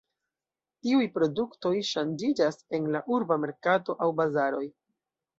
Tiuj produktoj ŝanĝiĝas en la urba merkato aŭ bazaroj.